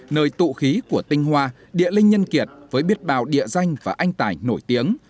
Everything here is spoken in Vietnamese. nơi tụ khí của tinh hoa địa linh nhân kiệt với biết bào địa danh và anh tài nổi tiếng